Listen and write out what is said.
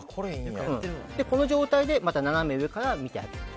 この状態で斜め上から見てあげる。